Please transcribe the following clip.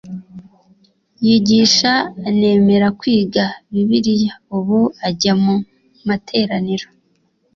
yigisha anemera kwiga bibiliya ubu ajya mu materaniro